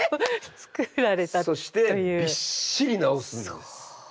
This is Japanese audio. そしてびっしり直すんです。